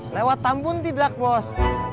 lewat tampuntidak bos